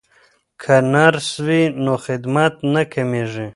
که نرس وي نو خدمت نه کمیږي.